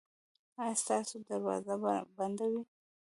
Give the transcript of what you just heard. ایا ستاسو دروازه به بنده وي؟